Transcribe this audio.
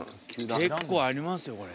結構ありますよこれ。